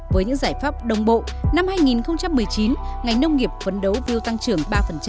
với những giải pháp đồng bộ năm hai nghìn một mươi chín ngành nông nghiệp phấn đấu viêu tăng trưởng ba